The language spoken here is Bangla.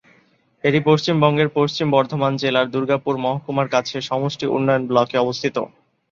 এটি পশ্চিমবঙ্গের পশ্চিম বর্ধমান জেলার দুর্গাপুর মহকুমার কাছে সমষ্টি উন্নয়ন ব্লকে অবস্থিত।